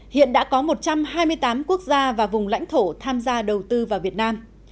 hiện đã có một trăm hai mươi tám quốc gia và vùng lãnh thổ tham gia đầu tư vào việt nam